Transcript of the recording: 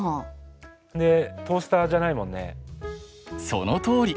そのとおり！